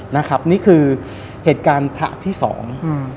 นี่คือเหตุการณ์พระที่สอง